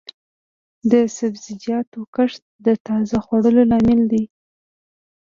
د سبزیجاتو کښت د تازه خوړو لامل دی.